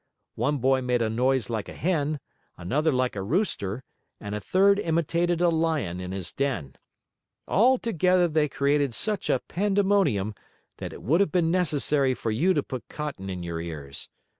One boy made a noise like a hen, another like a rooster, and a third imitated a lion in his den. All together they created such a pandemonium that it would have been necessary for you to put cotton in your ears.